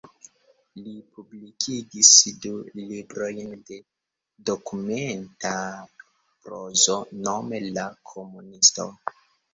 Li publikigis du librojn de dokumenta prozo, nome "La Komunisto".